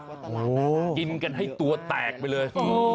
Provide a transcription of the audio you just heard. กินกันให้ตัวแตกไปเลย